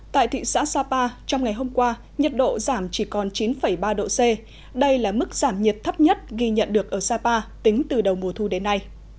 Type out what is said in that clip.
tại thị xã sapa trong ngày hôm qua nhiệt độ giảm chỉ còn chín ba độ c đây là mức giảm nhiệt thấp nhất ghi nhận được ở sapa tính từ đầu mùa thu đến nay